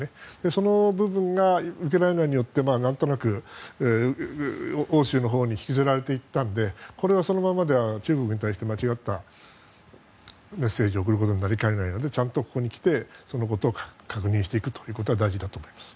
その部分がウクライナによって何となく欧州のほうに引きずられていったのでそのままでは中国に対して間違ったメッセージを送ることになりかねないのでちゃんとここに来て、そのことを確認していくということは大事だと思います。